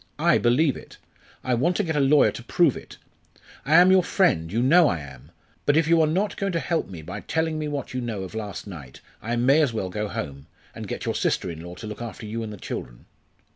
I believe it. I want to get a lawyer to prove it. I am your friend you know I am. But if you are not going to help me by telling me what you know of last night I may as well go home and get your sister in law to look after you and the children."